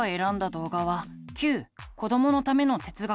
動画は「Ｑこどものための哲学」。